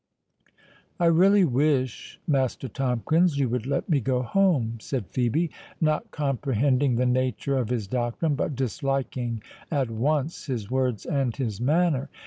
"I really wish, Master Tomkins, you would let me go home." said Phœbe, not comprehending the nature of his doctrine, but disliking at once his words and his manner.